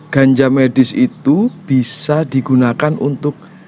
ganja medis itu bisa digunakan untuk